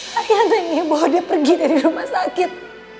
saya neneng bawa dia pergi dari rumah sakit